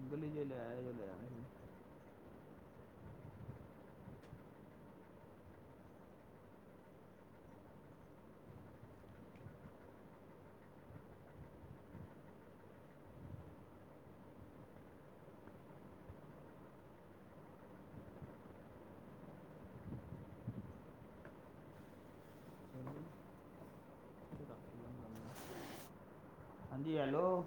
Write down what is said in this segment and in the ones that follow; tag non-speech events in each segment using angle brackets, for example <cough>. ਅਗਲੀ ਜੇ ਲੈ ਆਏਗਾ ਤਾਂ ਲੈ ਲਵਾਂਗੇ। ਹਾਂਜੀ ਹੈਲੋ।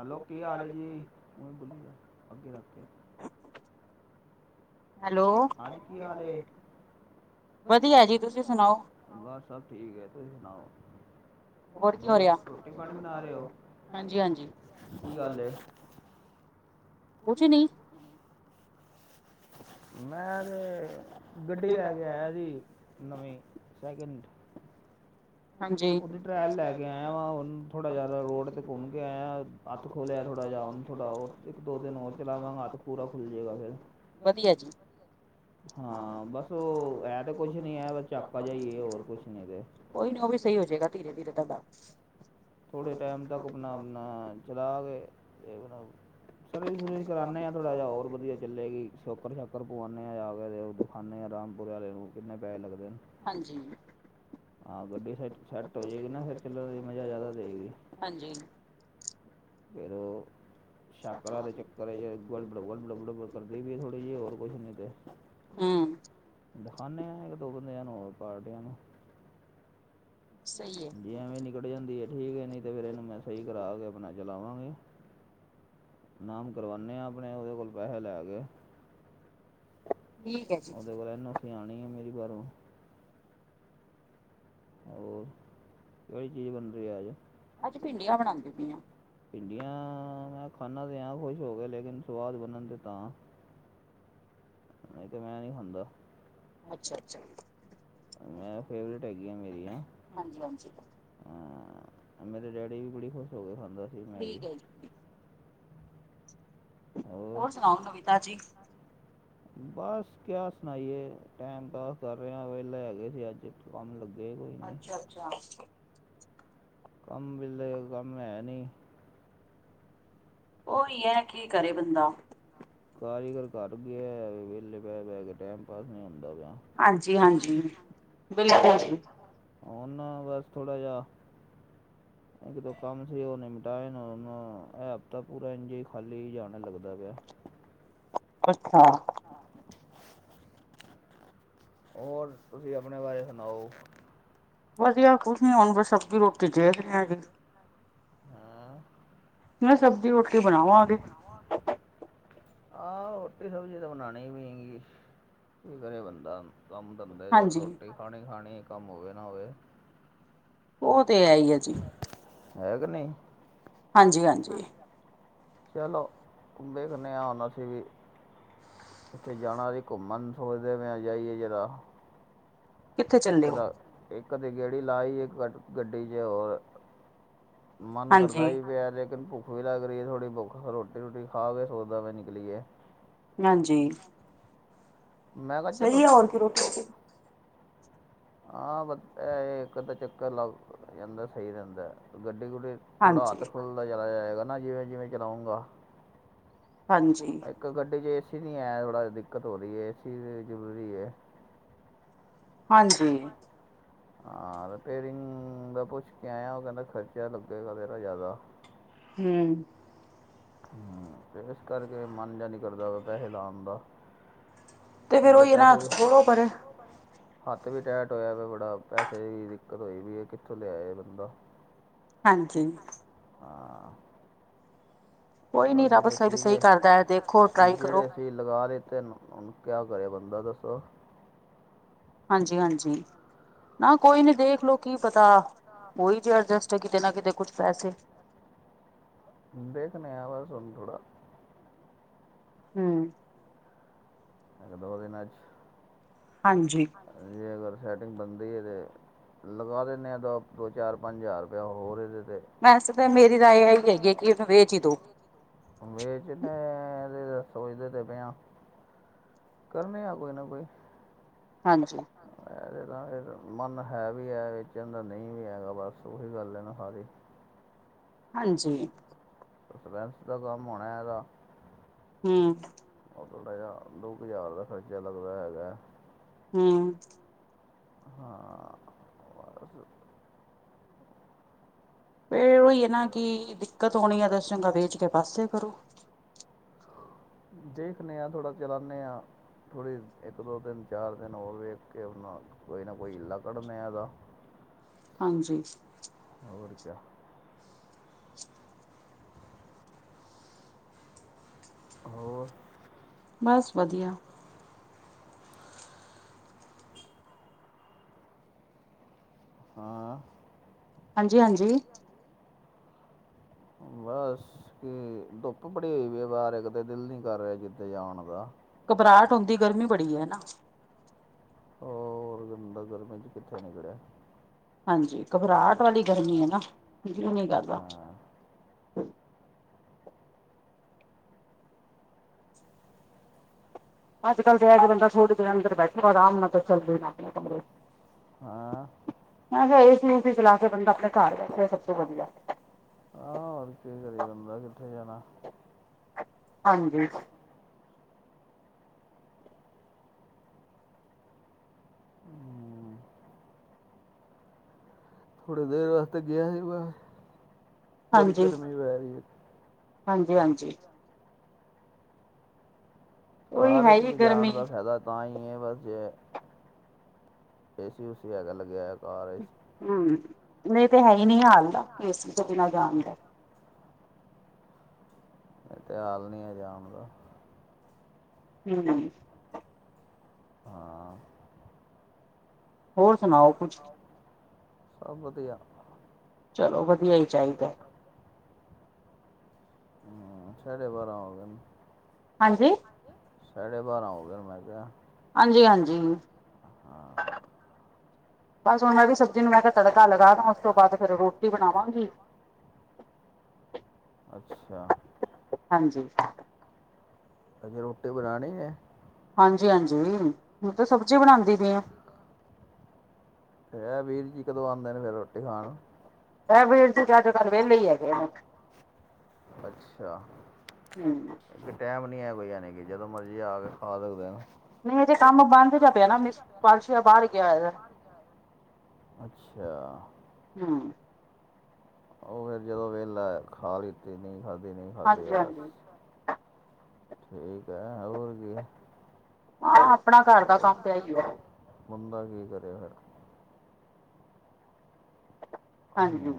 ਹਲੋ ਕੀ ਹਾਲ ਹੈ ਜੀ ਉ ਭੁਲੀ ਜਾ ਅੱਗੇ ਰੱਖਤੇ। ਹਾਂਜੀ ਕੀ ਹਾਲ ਏ ਵਧੀਆ ਜੀ ਵਧੀਆ। ਬਸ ਸਭ ਠੀਕ ਹੈ ਤੁਸੀਂ ਸੁਣਾਓ ਹੋ ਰੋਟੀ ਪਾਣੀ ਬਣਾ ਰਹੇ ਹੋ। ਕੀ ਗੱਲ ਏ। ਕੁੱਛ ਨਹੀਂ। ਮੈਂ ਤੇ ਗੱਡੀ ਲੈ ਕੇ ਆਇਆ ਜੀ ਨਵੀਂ ਸੈਕਿੰਡ ਉਹਦੀ ਟਰੈਲ ਲੈ ਕੇ ਆਇਆ ਵਾ ਉਹੁਨੂੰ ਥੋੜ੍ਹਾ ਜਿਹਾ ਰੋਡ 'ਤੇ ਘੁੰਮ ਕੇ ਆਇਆ ਹੱਥ ਖੋਲਿਆ ਥੋੜ੍ਹਾ ਜਿ ਉਹਨ ਥੋੜਾ ਇੱਕ ਦੋ ਦਿਨਰ ਚਲਾਵਾਂਗਾ ਹੱਥ ਪੂਰਾ ਖੁੱਲ ਜਾਏਗਾ ਫਿਰ ਵਧੀਆ ਜੀ ਹਾਂ ਬਸ ਉਹ ਇਹ ਤੇ ਕੁਛ ਨੀ ਹੈ ਬ ਚੱਕ ਆ ਜਾਈਏ ਹੋਰ ਕੁਛ ਨੀ ਤੇ ਕੋਈ ਨੀ ਉਹ ਵੀ ਸਹੀ ਹੋ ਜਾਏਗਾ ਧੀਰੇ ਧੀਰੇ ਤਾਂ ਥੋੜ੍ਹੇ ਟਾਈਮ ਤੱਕ ਆਪਣਾ ਆਪਣਾ ਚਲਾ ਕੇ ਅਤੇ ਆਪਣਾ ਸਰਵਿਸ ਸਰਵਿਸ ਕਰਾਉਂਦੇ ਹਾਂ ਥੋੜ੍ਹਾ ਜਿ ਹੋਰ ਵਧੀਆ ਚੱਲੇਗੀ ਸ ਚੱਕਰ ਸ਼ੱਕਰ ਪਵਾਉਂਦੇ ਹਾਂ ਜਾ ਕੇ ਦਿਖਾਉਂਦੇ ਆਾਂ ਰਾਮਪੁਰ ਵਾਲੇ ਨੂੰ ਕਿੰਨੇ ਪੈਸ ਲਗਦੇ ਨੇ ਹਾਂਜੀ ਹਾਂ ਗੱਡੀ ਸੈਟ ਸੈਟ ਹੋ ਜਾਏਗੀ ਨਾ ਫਿਰ ਚੱਲਣ ਦੀ ਮਜ਼ਾ ਜ਼ਿਆਦਾ ਦੇਵੇਗੀ ਹਾਂਜੀ ਮੈਨੂੰ ਸ਼ਾਕਰ ਦੇ ਚੱਕਰ ਚ ਗੁਲਬ ਗੁਲ ਬੜਬ ਬਬੜ ਕਰਦੀ ਪਈ ਥੋੜੀ ਜਿਹੀ ਹੋਰ ਕੁਛ ਨੀ ਤੇ ਹਮ। ਦਿਖਾਉਂਦੇ ਹਾਂ ਇੱਕ ਦੋ ਬੰਦਿਆਂ ਨੂੰ ਹੋਰ ਪਾਰਟੀਆਂ ਨੂੰ ਜੇ ਐਵੇਂ ਨਿਕਲ ਜਾਂਦੀ ਹੈ ਠੀਕ ਹੈ ਨਹੀਂ ਤਾਂ ਫਿਰ ਇਹਨੂੰ ਮੈਂ ਸਹੀ ਕਰਾ ਕੇ ਆਪਣਾ ਚਲਾਵਾਂਗੇ। ਨਾਮ ਕਰਵਾਉਨੇ ਹਾਂ ਆਪਣੇ ਉਹਦੇ ਕੋਲ ਪੈਸੇ ਲੈ ਕੇ। ਉਹਦੇ ਕੋਲ ਐਨ ਓ ਸੀ ਅਸੀਂ ਆਉਣੀ ਆ ਮੇਰੀ ਬਾਹਰੋਂ। ਹੋਰ ਕਿਹੜੀ ਚੀਜ਼ ਬਣਦੀ ਆ ਅੱਜ ਅੱਜ ਭਿੰਡੀਆਂ ਬਣਾਉਂਦੀ ਪਈਆਂ। ਭਿੰਡੀਆਂ ਮੈਂ ਖਾਂਨਾ ਤਾਂ ਹਾਂ ਖੁਸ਼ ਹੋ ਕੇ ਲੇਕਿਨ ਸਵਾਦ ਬਣਨ ਦੇ ਤਾਂ। ਨਹੀਂ ਤੇ ਮੈਂ ਨਹੀਂ ਖਾਂਦਾ। ਮੈਂ ਫੇਵਰੇਟ ਹੈਗੀਆਂ ਮੇਰੀਆਂ। ਮੇਰੇ ਡੈਡੀ ਵੀ ਬੜੀ ਖੁਸ਼ ਹੋ ਕੇ ਖਾਂਦੇ। ਠੀਕ ਹੈ ਜੀ। ਹੋਰ ਸੁਣਾਓ ਨਵੀਂ ਤਾਜ਼ੀ ਬਸ ਕਿਆ ਸੁਣਾਈਏ ਟੈਮ ਪਾਸ ਕਰ ਰਹੇ ਵੇਲੇ ਹੈਗੇਏ ਸੀ ਅੱਜ ਕੰਮ ਲੱਗੇ ਕੋਈ ਅੱਛਾ ਅੱਛਾ ਕੰਮ ਮਿਲਦੇ ਕੰਮ ਹੈ ਨਹੀਂ ਉਹੀ ਹੈ ਕੀ ਕਰੇ ਬੰਦਾ ਕਾਰੀਗਰ ਕਰ ਗਿਆ ਵਿਹਲੇ ਬਹਿ ਬਹਿ ਕੇ ਟਾਈਮ ਪਾਸ ਨਹੀਂ ਹੁੰਦਾ ਪਿਆ ਹਾਂਜੀ ਹਾਂਜੀ ਬਿਲਕੁਲ ਜੀ ਨਾ ਬਸ ਥੋੜ੍ਹਾ ਜਿਹਾ ਇੱਕ ਦੋ ਕੰਮ ਸੀ ਉਹ ਨਿਮਿਟਾਏਨਨੂੰ ਇਹਤਾ ਪੂਰਾ ਐਨ ਜੀਈ ਖਾਲੀ ਜਾਣ ਲੱਗਦਾ ਪਿਆ ਅੱਛਾ ਹੋਰ ਤੁਸੀਂ ਆਪਣੇ ਬਾਰੇ ਸੁਣਾਓ ਵਧੀਆ ਕੁਛ ਨੀ, ਹੁਣ ਸਬਜ਼ੀ ਰੋਟੀ ਚੇਖ ਆ ਜੀ ਹਾਂ ਮੈਂ ਸਬਜ਼ੀ ਉੱਠ ਕੇ ਬਣਾਵਾਂਗੇ ਹਾਂ ਰੋਟੀ ਸਬਜ਼ੀ ਤਾਂ ਬਣਾਉਣੀ ਵੀ ਹੈਗੀ, ਕੀ ਕਰੇ ਬੰਦਾ ਕੰਮ ਧੰਦੇ ਰੋਟੀ ਖਾਣੀ ਖਾਣੀ ਏ, ਕੰਮ ਹੋਵੇ ਨਾ ਹੋਵੇ ਉਹ ਤੇ ਹੈ ਹੀ ਹੈ ਜੀ ਹੈ ਕਿ ਨਹੀਂ ਹਾਂਜੀ ਹਾਂਜੀ ਚਲੋ ਵੇਖਨੇ ਹਾਂ ਹੁਣ ਅਸੀਂ ਵੀ ਕਿੱਥੇ ਜਾਣਾ ਸੀ ਘੁੰਮਣ, ਸੋਚਦੇ ਪਏ ਆਂ, ਜਾਈਏ ਜਰਾ ਇੱਕ ਦਾ, ਇੱਕ ਦੀ ਗੇੜੀ ਲਾਈ, ਇੱਕ ਗੱਡੀ ਜੇ ਹੋਰ ਮਨ ਕਰਦਾ ਹੀ ਪਿਆ, ਲੇਕਿਨ ਭੁੱਖ ਬਈ ਲੱਗ ਰਹੀ ਐ ਥੋੜੀ ਭੁੱਖ, ਰੋਟੀ ਰੂਟੀ ਖਾ ਕੇ ਸੋਚਦੇ ਪਏ ਨਿਕਲੀਏ ਹਾਂਜੀ ਸਹੀ ਹੈ ਹੋਰ ਕੀ ਰੋਟੀ ਰੂਟੀ ਹਾਂ ਬ ਇਹ ਅਦਾ ਤਾਂ ਚੱਕਰ ਲੱਗ ਜਾਂਦਾ, ਸਹੀ ਰਹਿੰਦਾ ਗੱਡੀ ਗੁੱਡੀ ਥੋੜ੍ਹਾ ਹੱਥ ਖੁੱਲਦਾ ਚਲਾ ਜਾਏਗਾ ਨਾ, ਜਿਵੇਂ ਜਿਵੇਂ ਚਲਾਉਂਗਾ ਹਾਂਜੀ ਇੱਕ ਗੱਡੀ 'ਚ ਏ ਸੀ ਨਹੀਂ ਹੈ, ਥੋੜ੍ਹਾ ਦਿੱਕਤ ਹੋ ਰਹੀ ਹੈ, ਏ ਸੀ ਵੀ ਜ਼ਰੂਰੀ ਹੈ। <inaudible> ਹਾਂ ਰਿਪੇਰਿੰਗ ਦਾ ਪੁੱਛ ਕੇ ਆਇਆ, ਉਹ ਕਹਿੰਦਾ ਖਰਚਾ ਲੱਗੇਗਾ ਤੇਰਾ ਜ਼ਿਆਦਾ ਹੂ ਤੇ ਇਸ ਕਰਕੇ ਮਨ ਜ ਨਹੀਂ ਕਰਦਾ ਵਾ, ਪੈਸੇ ਲਾਣ ਦਾ ਅੱਗੇ ਪੈਸੇ ਵੀ ਹੱਥ ਵੀ ਟੈਟ ਹੋਇਆ ਵ ਬੜਾ, ਪੈਸੇ ਦੀ ਦਿੱਕਤ ਹੋਈ ਵੀ, ਕਿੱਥੋਂ ਲਿਆਇ ਬੰਦਾ। ਹਾਂਜੀ ਹਾਂ ਬਸ ਜਿਹੜੇ ਸੀਗੇ, ਜਿਹੜੇ ਕੀ ਲਗਾ ਲੀਤੇ ਨ, ਹੁਣ ਕਿਆ ਕਰੇ ਬੰਦਾ ਦੱਸੋ ਹਾਂਜੀ ਹਾਂਜੀ ਨਾ ਕੋਈ ਨੀ ਦੇਖਲੋ, ਕੀ ਪਤਾ, ਉਹੀ ਜੀ ਐਡਜਸਟ, ਕਿਤੇ ਨਾ ਕਿਤੇ ਕੁਛ ਪੈਸੇ ਦੇਖਨੇ ਆ, ਬਸ ਹੁਣ ਥੋੜਾ ਹੂ ਇਕ ਦੋ ਦਿਨਾ 'ਚ ਹਾਂਜੀ ਜੇ ਅਗਰ ਸੈਟਿੰਗ ਬਣਦੀ ਹੈ ਤੇ ਲਗਾ ਦਿੰਨੇ ਆ, ਦੋ ਚਾਰ, ਪੰਜ ਹਜ਼ਾਰ ਰੁਪਇਆ ਹੋਰ ਇਹਦੇ 'ਤੇ ਵੈਸੇ ਤਾਂ ਮੇਰੀ ਰਾਏ ਇਹੀ ਹੈਗੀ ਹੈ, ਕਿ ਉਹਨੂੰ ਵੇਚ ਹੀ ਦੋ ਵੇਚ ਤੇ, ਐਦੇ ਸੋਚਦੇ ਤੇ ਪਏ ਆਂ ਕਰਨੇ ਆ ਕੋਈ ਨਾ ਕੋਈ ਹਾਂਜੀ <inaudible> ਫਿਰ ਮਨ ਹੈ ਵੀ ਹੈ ਵੇਚਣ ਦਾ, ਨਹੀਂ ਵੀ ਹੈਗਾ, ਬਸ ਉਹੀ ਗੱਲ ਇਹ ਨਾ ਸਾਰੀ ਹਾਂਜੀ ਫਾਈਨੈਂਸ ਦਾ ਕੰਮ ਹੋਣਾ ਇਹਦਾ ਹੂ ਉਹ ਥੋੜ੍ਹਾ ਜਿਹਾ, ਦੋ ਕੁ ਹਜ਼ਾਰ ਦਾ ਖਰਚਾ ਲੱਗਦਾ ਹੈਗਾ ਹੂ <unintelligible> ਹਾਂ, ਬਸ ਇਹ ਉਹੀ ਹੈ ਨਾ, ਕਿ ਦਿੱਕਤ ਹੋਣੀ ਆ, ਤੇ ਚੰਗਾ ਵੇਚ ਕੇ ਪਾਸੇ ਕਰੋ। <unintelligible> ਦੇਖਨੇ ਹਾਂ, ਥੋੜ੍ਹਾ ਚਲਾਂਨੇ ਹਾਂ। ਥੋੜ੍ਹੀ ਇੱਕ, ਦੋ, ਤਿੰਨ, ਚਾਰ ਦਿਨ ਹੋਰ ਵੇਖ ਕੇ, ਹੁਣ ਕੋਈ ਨਾ ਕੋਈ, ਹਿਲਾ ਕੱਢਦੇ ਆਂ ਇਹਦਾ। ਹਾਂਜੀ। ਹੋਰ, ਕਿਆ। ਹੋਰ? ਬਸ, ਵਧੀਆ। ਹਾਂ? ਹਾਂਜੀ -ਹਾਂਜੀ। ਬਸ। ਧੁੱਪ ਬੜੀ ਹੋਈ ਵੀ, ਬਾਹਰ ਕਿਤੇ ਦਿਲ ਨੀ, ਕਰ ਰਿਹਾ ਕਿਤੇ ਜਾਣ ਦਾ। ਘਬਰਾਹਟ ਹੁੰਦੀ, ਗਰਮੀ ਬੜੀ ਹੈ ਨਾ। ਹੋਰ ਬੰਦਾ, ਗਰਮੀ 'ਚ ਕਿੱਥੇ ਨਿਕਲੇ? ਹਾਂਜੀ, ਘਬਰਾਹਟ ਵਾਲੀ ਗਰਮੀ ਹੈ ਨਾ, ਦਿਲ ਨਹੀ ਕਰਦਾ। <unintelligible> ਮੈਂ ਕਿਹਾ, ਏਸੀ -ਊਸੀ ਚਲਾ ਕੇ, ਬੰਦਾ ਆਪਣੇ ਘਰ ਬੈਠੇ, ਸਭ ਤੋਂ ਵਧੀਆ। ਹਾਂ, ਹੋਰ ਕੀ, ਕਰੇ ਬੰਦਾ, ਕਿੱਥੇ ਜਾਣਾ? ਹਾਂਜੀ। ਹੂੰ ਥੋੜ੍ਹੀ ਦੇਰ, ਵਾਸਤੇ ਗਿਆ ਸੀ ਬਾਹਰ, ਬੜੀ ਗਰਮੀ ਪੈ ਰਹੀ ਹੈ। ਹਾਂਜੀ -ਹਾਂਜੀ। ਕਾਰ ਚ ਵੀ ਜਾਣ ਦਾ ਫ਼ਾਇਦਾ ਤਾਂ, ਹੀ ਹੈ, ਬਸ ਜੇ ਏਸੀ ਊਸੀ ਹੈਗਾ, ਲੱਗਿਆ ਹੈ ਕਾਰ ਚ ਹੂੰ, ਨਹੀਂ ਤੇ, ਹੈ ਹੀ ਨਹੀਂ ਹਾਲ ਦਾ, ਏਸੀ ਤੋਂ ਬਿਨਾਂ ਜਾਣ ਦਾ। ਇਹ ਤੇ, ਹਾਲ ਨੀ ਹੈ ਜਾਣ ਦਾ। ਹੂੰ ਹਾਂ ਹੋਰ, ਸੁਣਾਓ ਕੁਛ? ਸਭ ਵਧੀਆ। ਚਲੋ, ਵਧੀਆ ਹੀ ਚਾਹੀਦਾ। <inaudible> ਹਾਂ, ਸਾਢੇ ਬਾਰਾਂ ਹੋ ਗਏ ਨ। ਹਾਂਜੀ? ਸਾਢੇ ਬਾਰਾਂ ਹੋ ਗਏ ਨ, ਮੈਂ ਕਿਹਾ। ਬਸ ਹੁਣ ਮੈਂ ਵੀ, ਸਬਜ਼ੀ ਨੂੰ ਮੈਂ ਕਿਹਾ, ਤੜਕਾ ਲਗਾ ਦੇਵਾਂ ਉਸ ਤੋਂ ਬਾਅਦ, ਫਿਰ ਰੋਟੀ ਬਣਾਵਾਂਗੀ। ਅੱਛਾ। <unintelligible> ਹਾਂਜੀ। ਅਜੇ, ਰੋਟੀ ਬਣਾਉਣੀ ਹੈ? ਹਾਂਜੀ- ਹਾਂਜੀ, ਹੁਣ ਤੇ ਸਬਜ਼ੀ ਬਣਾਉਂਦੀ ਪਈ ਆਂ। ਇਹ ਵੀਰ ਜੀ, ਕਦੋਂ ਆਉਂਦੇ ਨੇ, ਫਿਰ ਰੋਟੀ ਖਾਣ? ਇਹ, ਵੀਰ ਜੀ ਤੇ, ਅੱਜ ਕਰ ਵਿਹਲੇ ਹੀ ਹੈਗੇ ਨੇ। ਅੱਛਾ। ਟਾਈਮ ਨੀ ਹੈ ਕੋਈ, ਯਾਨੀ ਕਿ ਜਦੋਂ ਮਰਜੀ ਆ ਕੇ ਖਾ ਸਕਦੇ। ਨਹੀਂ ਅਜੇ, ਕੰਮ ਬੰਦ ਜਿਹਾ ਪਿਆ ਨਾ, ਮਿਸ, ਪਾਲਸ਼ੀਆ ਬਾਹਰ ਗਿਆ, ਹੋਇਆ ਗਾ। ਅੱਛਾ। ਹੂੰ ਉਹ ਫਿਰ ਜਦੋਂ ਵਿਹਲਾ, ਖਾ ਲਿੱਤੀ ਨਹੀਂ ਖਾਦੀ ਨਹੀਂ ਖਾਦੀ, ਬਸ। ਠੀਕ ਹੈ, ਹੋਰ ਕੀ? ਆ, ਆਪਣਾ ਘਰ ਦਾ, ਕੰਮ ਤੇ ਇਹ ਹੀ ਹੈ। ਬੰਦਾ ਕੀ ਕਰੇ ਫੇਰ ਹਾਂਜੀ-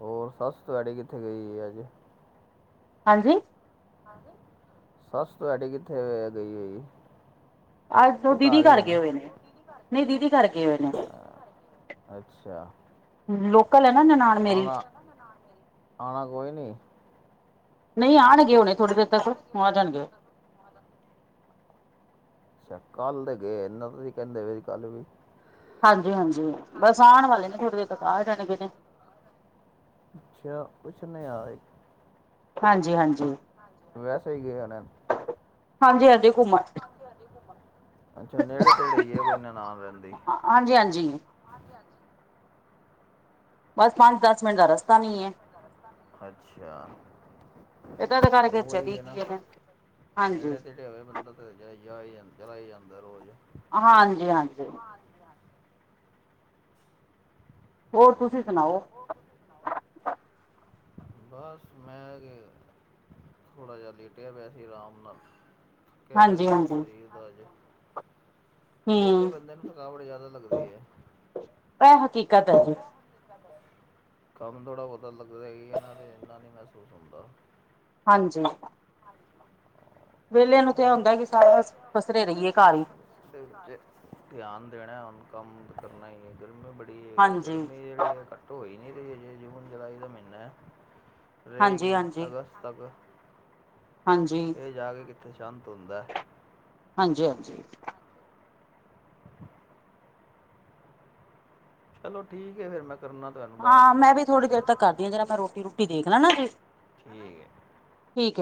ਹੋਰ ਸੱਸ ਤੁਹਾਡੀ ੍ਕਿੱਥੇ ਗਈ ਅੱਜ? ਹਾਂਜੀ ਸੱਸ ਤੁਹਾਡੀ ਕਿੱਥੇ ਗਈ ਹੈ ਜ- ਅੱਜ ਉਹ ਦੀਦੀ ਘਰ ਗਏ ਹੋਏ ਨੇ, ਨਹੀਂ ਦੀਦੀ ਘਰ ਗ ਹੋਏ ਨੇ ਅੱਛਾ- ਲੋਕਲ ਹੈ ਨਾ ਨਨਾਣ ਮੇਰੀ- ਨਾਲ ਆਉਣਾ ਕੋਈ ਨਹੀਂ ਨਹੀਂ ਆਉਣਗੇ ਹੁਣੇ ਥੋੜ੍ਹੀ ਦੇਰ ਤੱਕ ਆ ਜਾਣਗੇ। ਕੱਲ ਦੇ ਗਏ ਇਹਨਾਂ ਤੁਸੀ ਕਹਿੰਦੇ ਵ ਕੱਲ ਵੀ- ਹਾਂਜੀ ਹਾਂਜੀ, ਬਸ ਆਉਣ ਵਾਲੇ ਨੇ ਥੋੜੇ ਜ ਤਾਂ ਆਹ ਜਾਣਗੇ ਨੇ- ਅੱਛਾ, ਕੁੱਛ ਨਹੀਂ ਆਏ ਹਾਂਜੀ ਹਾਂਜੀ- ਵੈਸੇ ਹੀ ਗਏ ਹੋਨੇ- ਅੱਛਾ, ਨੇੜੇ ਤੇੜੇ ਹੀਏ ਕੋਈ ਨਨਾਣ ਰੈਹਂਦੀ ਹਾਂਜੀ-ਹਾਂਜੀ ਹਾਂਜੀ-ਹਾਂਜੀ ਅੱਛਾ ਉਹਹੀ ਹੈ ਨਾ, ਨੇੜੇ ਤੇੜੇ ਹੋਵੇ ਬੰਦਾ ਚ ਜਾ ਜਾਂ ਚਲਾ ਹੀ ਜਾਂਦਾ ਰੋਜ਼ ਹਾਂਜੀ-ਹਾਂਜੀ ਹੋਰ ਤੁਸੀਂ ਸੁਣਾਓ ਬਸ ਮੈਂ ਗੇ ਥੋੜ੍ਹਾ ਜਿਹਾ ਲੇਟਿਆ ਹੋਯਾਸੀ ਆਰਾਮ ਨਾਲ ਕਿਆ ਵੈਸੇ ਦੱਸਿਆ ਜੀ ਉਹਦਾ ਅੱਜ ਵਿਹਲੇ ਬੰਦੇ ਨੂੰ ਥਕਾਵਟ ਜ਼ਿਆਦਾ ਲੱਗਦੀ ਹੈ ਇਹ ਹਕੀਕਤ ਹੈ ਕੰਮ ਥੋੜਾ ਪਤਾ ਲੱਗਦਾ ਇਹਨਾਂ ਤੇ ਇਨਾ ਨ ਮਹਿਸੂਸ ਹੁੰਦਾ ਹਾਂਜੀ ਹੂੰ ਵਿਹਲੇ ਨੂੰ ਤੇ ਇਹ ਹੁੰਦਾ ਕਿ ਸਾਰਾ ਕੰਮ ਦੇ ਧਿਆਨ ਦੇਣਾ ਹੁਨ ਕੰਮ ਕਰਨਾ ਹੀ ਗਰਮੀ ਬੜੀ ਗਰਮੀ ਬੜੀ ਹੈ, ਘਟ ਹੋ ਈ ਨਹੀਂ ਰਹੀ ਅਜੇ, ਜੂਨ ਜੁਲਾਈ ਦਾ ਮਹੀਨਾ ਰਹੇਗੀ ਅਗਸਤ ਤੱਕ ਇਹ ਜਾ ਕੇ ਕਿੱਥੇ ਸ਼ਾਂਤ ਹੁੰਦਾ- ਹਾਂਜੀ ਹਾਂਜੀ <unintelligible> ਚਲੋ, ਠੀਕ ਹੈ ਫਿਰ ਮੈਂ ਕਰਨਾ- ਹਾਂ ਮੈਂ ਵੀ ਥੋੜੀ ਦੇਰ ਤੱਕ ਕਰਦੀ ਹਾਂ ਜਿਰਾ ਮੈਂ ਰੋਟੀ ਰੋਟੀ ਦੇਖ ਲ ਨਾ ਫਿਰ, ਠੀਕ ਏ।